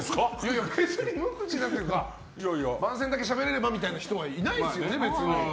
無口なというか番宣だけしゃべれればという人はいないですよね、別に。